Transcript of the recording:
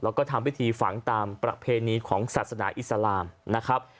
แล้วก็ทำพิธีฝังตามประเพณีของศาสนาอิสลามนะครับ